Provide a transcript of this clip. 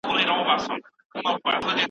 فساد د ټولني نظم او ثبات له منځه وړي.